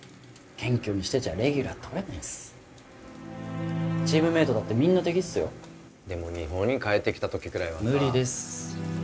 謙虚にしてちゃレギュラーとれないんすチームメイトだってみんな敵っすよでも日本に帰ってきた時くらいは無理です